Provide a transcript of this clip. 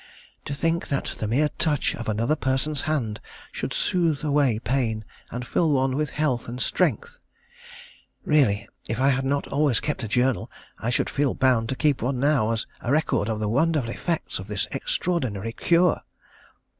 To think that the mere touch of another person's hand should soothe away pain, and fill one with health and strength. Really, if I had not always kept a journal, I should feel bound to keep one now, as a record of the wonderful effects of this extraordinary cure.